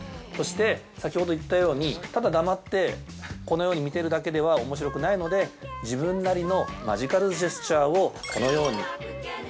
そして、先ほど言ったように、ただ黙ってこのように見てるだけではおもしろくないので、自分なりのマジカルジェスチャーをこのように。